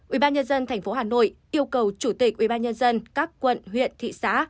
ủy ban nhân dân thành phố hà nội yêu cầu chủ tịch ủy ban nhân dân các quận huyện thị xã